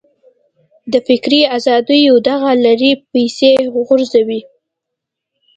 د فکري ازادیو دغه لړۍ پسې غځوو.